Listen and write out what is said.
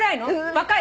若い？